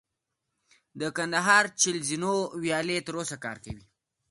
د کندهار چل زینو ویالې تر اوسه کار کوي